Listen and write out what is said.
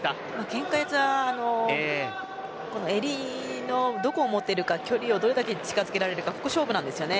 けんか四つは襟のどこを持っているか距離をどれだけ近づけられるかが勝負なんですね。